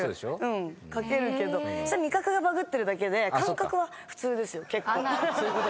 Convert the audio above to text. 掛けるけどそれ味覚がバグってるだけで感覚は普通ですよ結構。